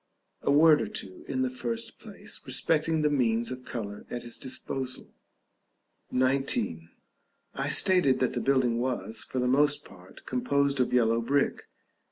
A word or two, in the first place, respecting the means of color at his disposal. § XIX. I stated that the building was, for the most part, composed of yellow brick.